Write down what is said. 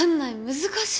難しい。